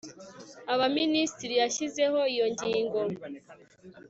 abaminisitiri yashyizeho iyo ingingo